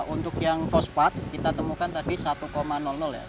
untuk yang fosfat kita temukan tadi satu ya